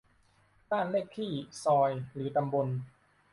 บ้านเลขที่ ซอย หรือตำบล